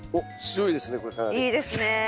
いいですねえ。